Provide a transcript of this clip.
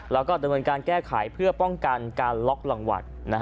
แล้วก็ดำเนินการแก้ไขเพื่อป้องกันการล็อกรางวัล